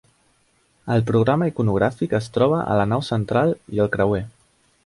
El programa iconogràfic es troba a la nau central i el creuer.